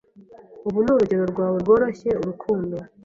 Ubu ni urugo rwawe rworoshyeUrukundo